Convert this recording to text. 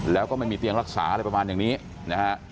แล้วก็ไม่มีเตียงรักษาอะไรประมาณอย่างนี้นะฮะ